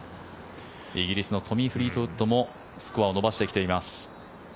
イギリスのトミー・フリートウッドもスコアを伸ばしてきています。